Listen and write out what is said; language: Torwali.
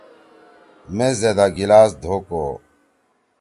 میز زیدا گلاس دھو کو۔